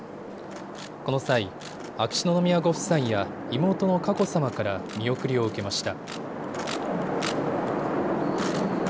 この際、秋篠宮ご夫妻や妹の佳子さまから見送りを受けました。